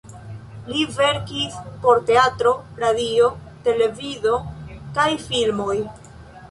Li verkis por teatro, radio, televido, kaj filmoj.